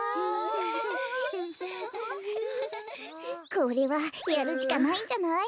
これはやるしかないんじゃない？